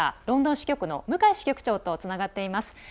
ロンドン支局の向井支局長とつながっています。